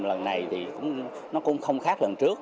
lần này thì cũng không khác lần trước